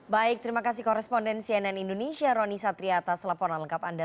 baik terima kasih koresponden cnn indonesia roni satri atas laporan lengkap anda